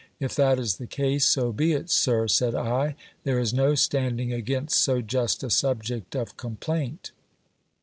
If that is the case, so be it, sir, said I ; there is no standing against so just a subject of complaint.